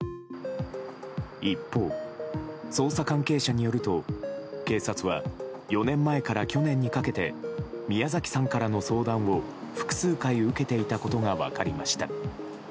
一方、捜査関係者によると警察は４年前から去年にかけて宮崎さんからの相談を複数回、受けていたことが分かりました。